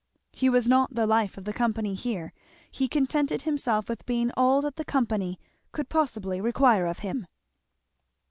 He was not the life of the company here; he contented himself with being all that the company could possibly require of him.